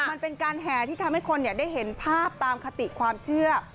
มันเป็นการแห่ที่ทำให้คนได้เห็นภาพตามคติความเชื่อ